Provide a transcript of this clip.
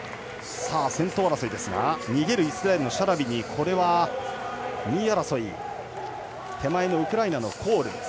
先頭争い、逃げるイスラエルのシャラビにこれは、２位争いウクライナのコール。